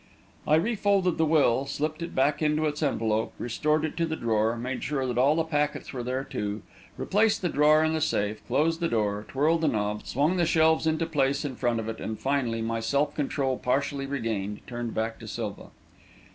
I refolded the will, slipped it back into its envelope, restored it to the drawer, made sure that all the packets were there, too, replaced the drawer in the safe, closed the door, twirled the knob, swung the shelves into place in front of it, and finally, my self control partially regained, turned back to Silva.